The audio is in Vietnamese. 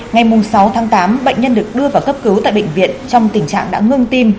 ngày sáu tháng tám bệnh nhân được đưa vào cấp cứu tại bệnh viện trong tình trạng đã ngưng tim